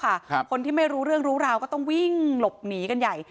คนที่ไม่รู้เรื่องรู้ราวก็ต้องวิ่งหลบหนีกันใหญ่